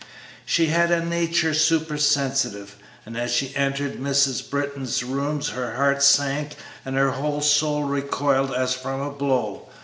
She had a nature supersensitive, and as she entered Mrs. Britton's rooms her heart sank and her whole soul recoiled as from a blow.